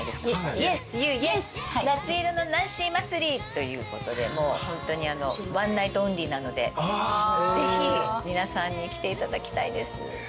ＹＥＳ優ＹＥＳ☆夏色のナンシー祭ということでホントにワンナイトオンリーなのでぜひ皆さんに来ていただきたいです。